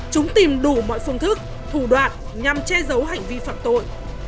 chúng tìm đủ mọi phương thức thủ đoạn nhằm che giấu hành vi phạm tội